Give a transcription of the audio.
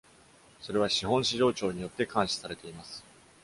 それは資本市場庁によって、監視されています。